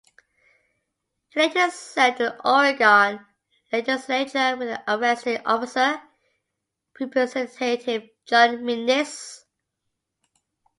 He later served in the Oregon Legislature with the arresting officer, Representative John Minnis.